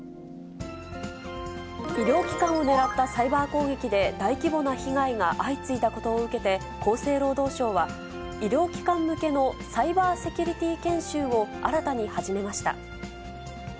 医療機関を狙ったサイバー攻撃で大規模な被害が相次いだことを受けて、厚生労働省は、医療機関向けのサイバーセキュリティ研修を新たに始めました。